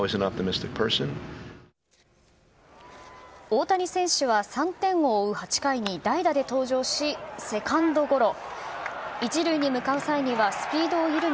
大谷選手は、３点を追う８回に代打で登場し、セカンドゴロ。